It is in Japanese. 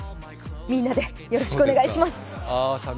みんなで、よろしくお願いします。